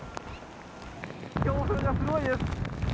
強風がすごいです。